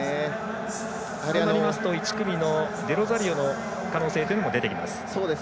そうなりますと１組のデロザリオの可能性というのも出てきます。